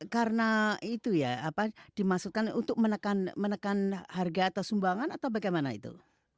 karena itu ya apa dimasukkan untuk menekan menekan harga atau sumbangan atau bagaimana itu